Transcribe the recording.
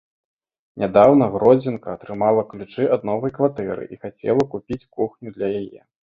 Нядаўна гродзенка атрымала ключы ад новай кватэры і хацела купіць кухню для яе.